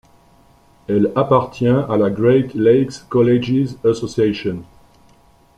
Elle appartient à la Great Lakes Colleges Association.